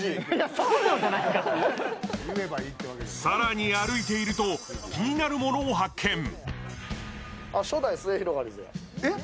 更に歩いていると、気になるものを発見。